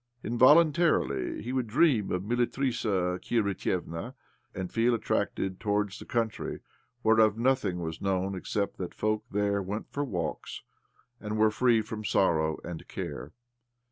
Involuntarily he would dream of Militrissa Kirbitievna, and feel attracted towards the country whereof nothing was known except that folk there went for walks, and were free from sorrow and care.